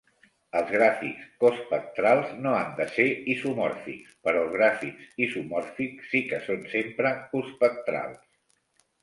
Els gràfics cospectrals no han de ser isomòrfics, però els gràfics isomòrfics sí que són sempre cospectrals.